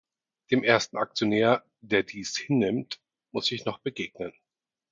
Dem ersten Aktionär, der dies hinnimmt, muss ich noch begegnen.